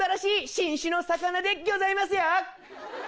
新種の魚でギョざいますよ！